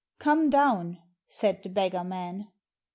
"Come down," said the beggar man.